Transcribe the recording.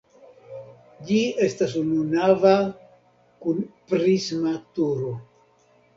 Ĝi estas ununava kun prisma turo.